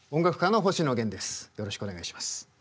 よろしくお願いします。